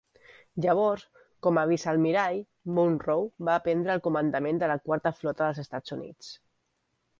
Llavors, com a vicealmirall, Munroe va prendre el comandament de la Quarta Flota dels Estats Units.